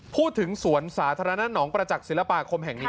พูดถึงสวนสาธารณะหนองประจักษ์ศิลปาคมแห่งนี้